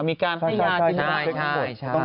มีการให้ยาทิ้ง